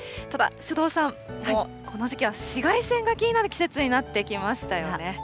ただ、首藤さん、この時期は紫外線が気になる季節になってきましたよね。